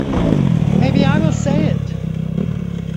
Maybe I will say it.